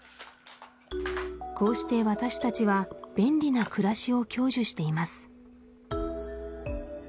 こうして私たちは便利な暮らしを享受しています